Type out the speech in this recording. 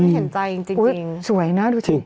เห็นใจจริง